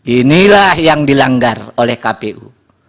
inilah yang dilanggar oleh kpu